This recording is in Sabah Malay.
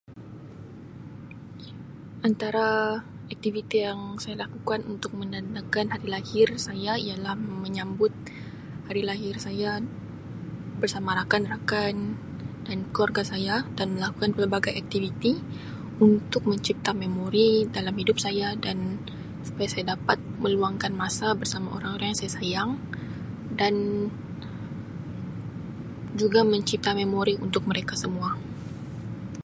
Antara aktiviti yang saya lakukan untuk menandakan hari lahir saya ialah menyambut hari lahir saya bersama rakan-rakan dan keluarga saya dan melakukan pelbagai aktiviti untuk mencipta memori dalam hidup saya dan supaya saya dapat meluangkan masa bersama orang-orang yang saya sayang dan juga mencipta memori untuk mereka semua.